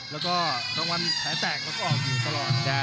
แล้วก็รองวัลแข็งแตกละออกอยู่ตลอด